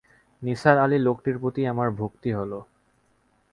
নিসার আলি লোকটির প্রতি আমার ভক্তি হল।